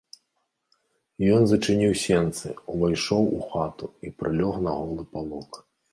Ён зачыніў сенцы, увайшоў у хату і прылёг на голы палок.